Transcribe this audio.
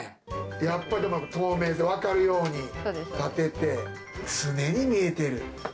やっぱでも、透明性、分かるように立てて、常に見えてる。